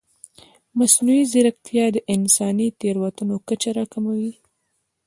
مصنوعي ځیرکتیا د انساني تېروتنو کچه راکموي.